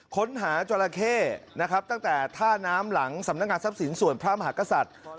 ค้นหาจราเข้นะครับตั้งแต่ท่าน้ำหลังสำนักงานทรัพย์สินส่วนพระมหากษัตริย์